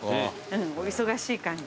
お忙しい感じ。